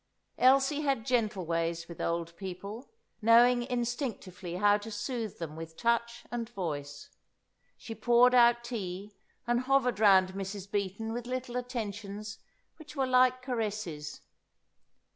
Elsie had gentle ways with old people, knowing instinctively how to soothe them with touch and voice. She poured out tea, and hovered round Mrs. Beaton with little attentions which were like caresses.